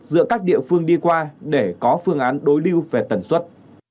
giữa các địa phương đi qua để có phương án đối lưu về tần suất